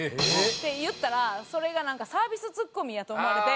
って言ったらそれがサービスツッコミやと思われて。